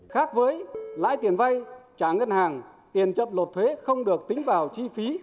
khác với lãi tiền vay trả ngân hàng tiền chậm lộp thuế không được tính vào chi phí